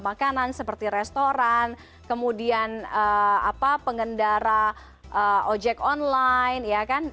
makanan seperti restoran kemudian pengendara ojek online ya kan